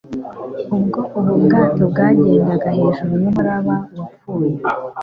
Ubwo ubu bwato bwagendaga hejuru yumuraba wapfuye